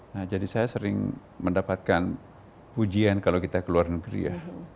nah jadi saya sering mendapatkan pujian kalau kita ke luar negeri ya